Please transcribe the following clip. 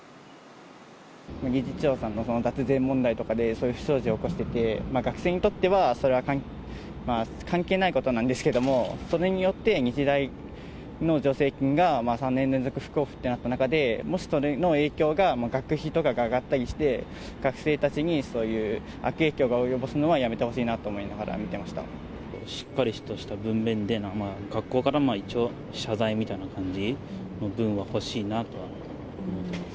理事長さんの脱税問題とかで、そういう不祥事を起こしてて、学生にとってはそれは関係ないことなんですけれども、それによって、日大の助成金が３年連続不交付ってなった中で、もしそれの影響が学費とかが上がったりして、学生たちにそういう悪影響を及ぼすのはやめてほしいなと思いながしっかりとした文面で、学校から一応、謝罪みたいな感じの文は欲しいなとは思ってます。